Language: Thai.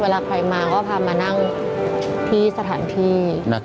เวลาใครมาก็พามานั่งที่สถานที่